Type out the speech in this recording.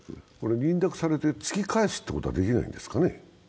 認諾されて突き返すってことはできないんですかね。